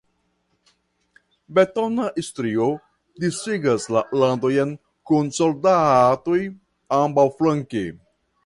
Betona strio disigas la landojn kun soldatoj ambaŭflanke.